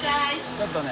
ちょっとね